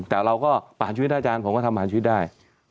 แต่เราก็ประหารชีวิตอาจารย์ผมก็ทำประหารชีวิตได้